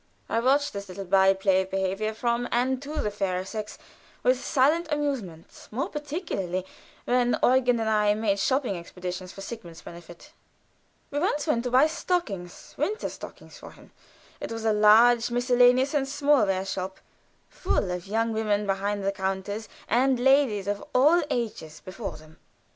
I often watched this little by play of behavior from and to the fairer sex with silent amusement, more particularly when Eugen and I made shopping expeditious for Sigmund's benefit. We once went to buy stockings winter stockings for him; it was a large miscellaneous and smallware shop, full of young women behind the counters and ladies of all ages before them.